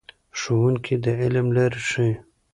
ښوونکي د علم لارې ښیي.